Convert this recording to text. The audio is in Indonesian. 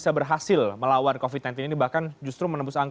artinya anda melihat ada kebijakan atau langkah langkah yang dinilai atau menurut anda